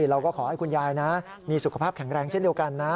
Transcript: เราก็ขอให้คุณยายนะมีสุขภาพแข็งแรงเช่นเดียวกันนะ